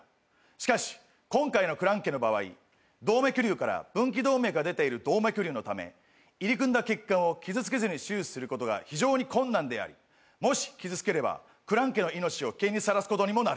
しかし今回のクランケの場合動脈瘤から分岐動脈が出ている動脈瘤のため入り組んだ血管を傷つけずに手術することが非常に困難でありもし傷つければクランケの命を危険にさらすことにもなる。